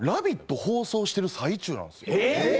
放送している最中なんですよ。